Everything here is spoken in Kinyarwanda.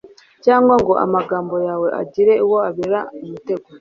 cyangwa ngo amagambo yawe agire uwo abera umutego